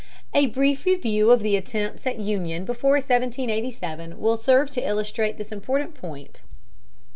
A brief review of the attempts at union before 1787 will serve to illustrate this important point.